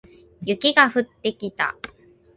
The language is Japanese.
雪が降ってきた